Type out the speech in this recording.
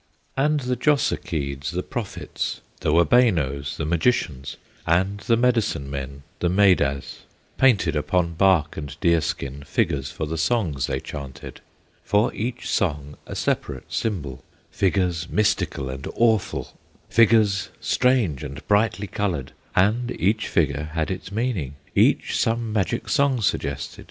And the Jossakeeds, the Prophets, The Wabenos, the Magicians, And the Medicine men, the Medas, Painted upon bark and deer skin Figures for the songs they chanted, For each song a separate symbol, Figures mystical and awful, Figures strange and brightly colored; And each figure had its meaning, Each some magic song suggested.